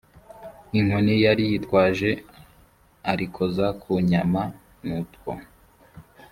inkoni yari yitwaje arikoza ku nyama n utwo